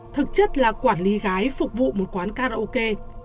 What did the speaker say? thực chất là quản lý gái phục vụ một quán karaoke